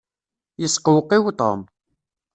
Yesqewqiw Tom.